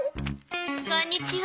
こんにちは。